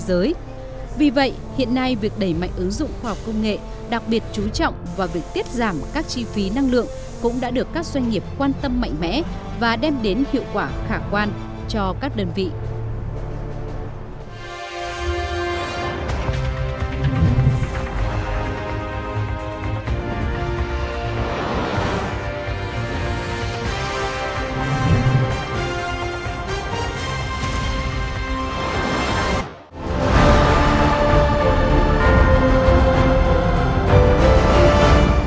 đối với những ngành nghiệp chúng tôi cũng định tiếp cận và họ đều xác định rằng quá kiểm soát năng lượng đó quá kiểm soát năng lượng điện là nhiều nhất do công tác quản lý